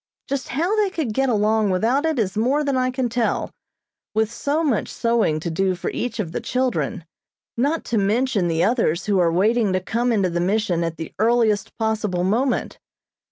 Just how they could get along without it is more than I can tell, with so much sewing to do for each of the children, not to mention the others who are waiting to come into the Mission at the earliest possible moment.